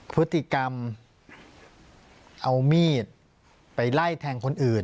พฤติกรรมเอามีดไปไล่แทงคนอื่น